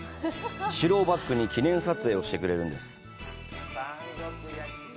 城をバックに記念撮影をしてくれるんです。